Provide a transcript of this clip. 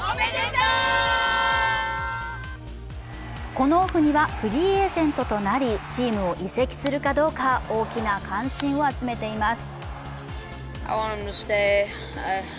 このオフにはフリーエージェントとなりチームを移籍するかどうか大きな関心を集めています。